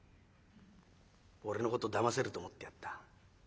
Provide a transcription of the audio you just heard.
俺のことだませると思ってやんだ。